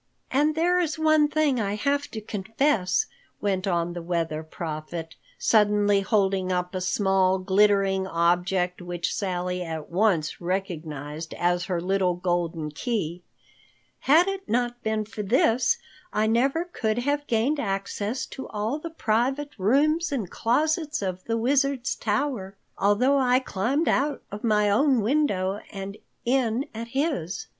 "And there is one thing I have to confess," went on the Weather Prophet, suddenly holding up a small, glittering object which Sally at once recognized as her little golden key. "Had it not been for this, I never could have gained access to all the private rooms and closets of the Wizard's tower, although I climbed out of my own window and in at his.